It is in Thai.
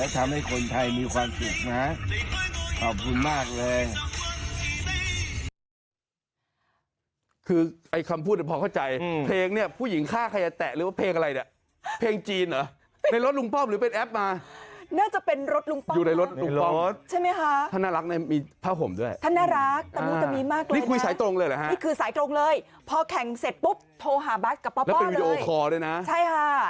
ทำที่เคียงให้กับประเทศอ้าวและทำให้คนไทยมีความสุขนะขอบคุณมากเลย